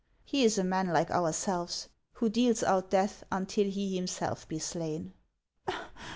He is a man like ourselves, who deals out death until he himself be slain."